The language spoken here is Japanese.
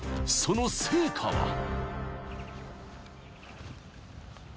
その成果は？］